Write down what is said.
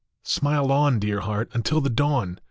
Smile on, dear Heart, until the dawn